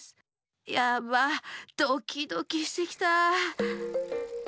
やばドキドキしてきたあ。